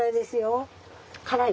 辛い？